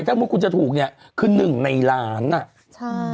ถ้ามุติคุณจะถูกเนี้ยคือหนึ่งในล้านอ่ะใช่